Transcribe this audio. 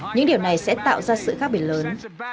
những điều này sẽ tạo ra sự khác biệt lớn